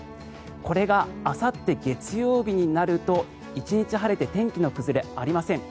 これがあさって月曜日になると１日晴れて天気の崩れありません。